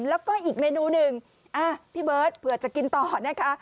แล้วก็อีกเมนูหนึ่งพี่เบิร์ตเผื่อจะกินต่อนะคะ